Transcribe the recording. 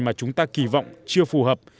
mà chúng ta kỳ vọng chưa phù hợp